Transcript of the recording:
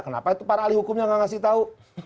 kenapa itu para ahli hukumnya nggak ngasih tahu